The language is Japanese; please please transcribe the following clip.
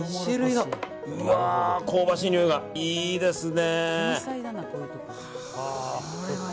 香ばしいにおいがいいですね！